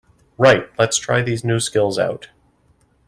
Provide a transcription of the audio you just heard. Right, lets try these new skills out!